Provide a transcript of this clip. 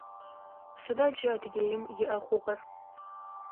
Сыда джы Адыгеим иӏэ хъугъэр?